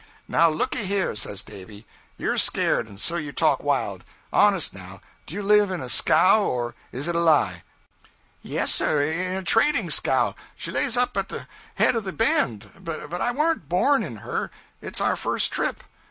'Now, looky here,' says Davy; 'you're scared, and so you talk wild. Honest, now, do you live in a scow, or is it a lie?' 'Yes, sir, in a trading scow. She lays up at the head of the bend. But I warn't born in her. It's our first trip.'